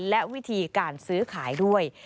และวิธีการซื้อขายด้วย